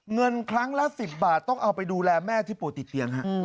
เงินครั้งละ๑๐บาทต้องเอาไปดูแลแม่ที่ป่วยติดเตียง